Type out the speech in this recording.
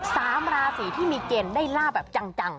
สามราศีที่มีเกณฑ์ได้ลาบแบบจัง